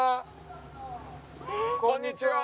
こんにちは。